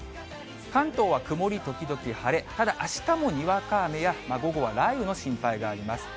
関東は曇り時々晴れ、ただあしたもにわか雨や、午後は雷雨の心配があります。